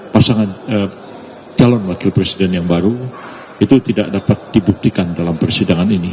pasangan calon wakil presiden yang baru itu tidak dapat dibuktikan dalam persidangan ini